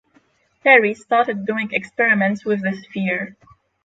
Terry started doing experiments with the sphere.